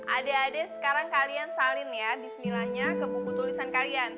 adik adik sekarang kalian salin ya bismillahnya ke buku tulisan kalian